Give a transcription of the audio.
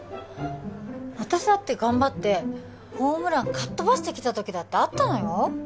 私だって頑張ってホームランかっ飛ばしてきた時だってあったのよ